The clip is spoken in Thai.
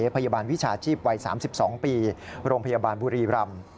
พยาบาลวิชาชีพวัย๓๒ปีโรงพยาบาลบุรีรำ